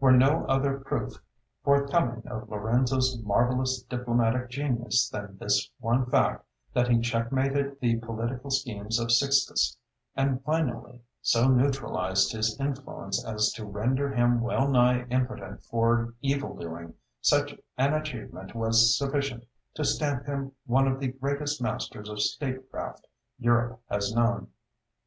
Were no other proof forthcoming of Lorenzo's marvellous diplomatic genius than this one fact, that he checkmated the political schemes of Sixtus, and finally so neutralized his influence as to render him wellnigh impotent for evil doing, such an achievement was sufficient to stamp him one of the greatest masters of statecraft Europe has known.